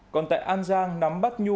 còn tại an giang nắm bắt nhu